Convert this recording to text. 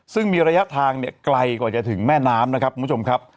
ซึ่งมีระยะทางเนี่ยไกลกว่าจะถึงแม่น้ำนะครับคุณผู้ชมครับ